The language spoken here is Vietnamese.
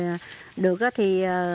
rồi được thì